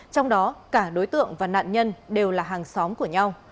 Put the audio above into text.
trong đó cả đối tượng và nạn nhân đều là hàng xóm của nhau